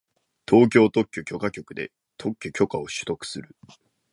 東京特許許可局で特許許可を取得する